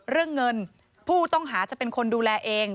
เรื่องเงินผู้ต้องหาจะเป็นคนดูแลเอง